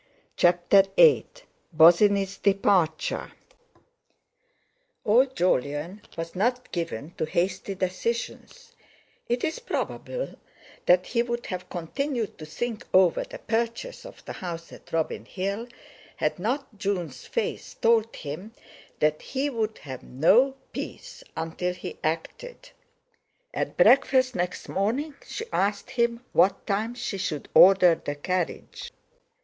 CHAPTER VIII BOSINNEY'S DEPARTURE Old Jolyon was not given to hasty decisions; it is probable that he would have continued to think over the purchase of the house at Robin Hill, had not Jun's face told him that he would have no peace until he acted. At breakfast next morning she asked him what time she should order the carriage.